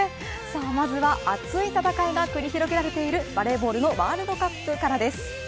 まずは、熱い戦いが繰り広げられているバレーボールのワールドカップからです。